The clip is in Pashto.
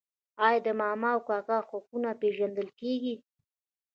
آیا د ماما او کاکا حقونه نه پیژندل کیږي؟